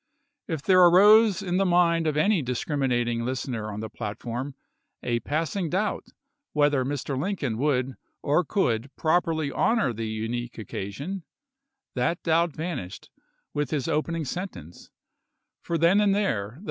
If there arose in the mind of any discriminating listener on the platform a passing doubt whether Mr. Lincoln would or could properly honor the unique occasion, that doubt vanished with his opening sentence; for then and there the President FACSIMILE OF MR.